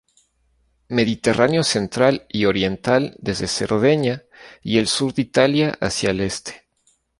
Mediterráneo central y oriental desde Cerdeña y el sur de Italia hacia el este.